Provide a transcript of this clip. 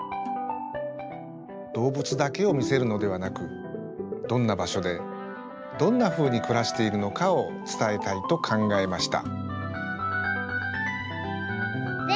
動物だけをみせるのではなくどんなばしょでどんなふうにくらしているのかをつたえたいとかんがえました。